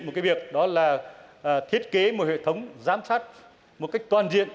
một cái việc đó là thiết kế một hệ thống giám sát một cách toàn diện